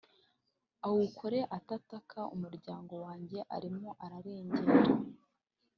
awukore atataka[attaquer] umuryango wanjye arimo ararengera…